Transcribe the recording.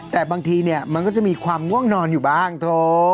แต่บางทีเนี่ยมันก็จะมีความง่วงนอนอยู่บ้างโถ